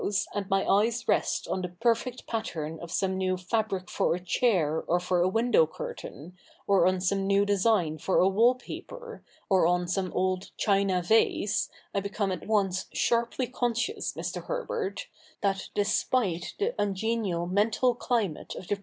1, and my eyes rest on the perfect pattern of some new fabric for a chair or for a window curtain, or on some new design for a wall paper, or on some old china vase, I become at once sharply conscious, Mr. Herbert, hat, JSespite the ungenial mental climate of the present CH.